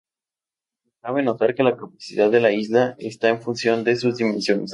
Cabe notar que la capacidad de la isla esta en función de sus dimensiones.